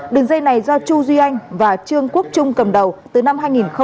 đường dây này do chu duy anh và trương quốc trung cầm đầu từ năm hai nghìn một mươi bảy